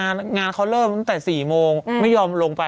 หลายงานมางานเขาเริ่มตั้งแต่๔โมงไม่ยอมลงไป